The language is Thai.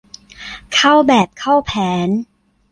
เข้าแบบเข้าแผน